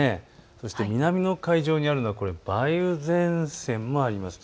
そして南の海上にあるのは梅雨前線もあります。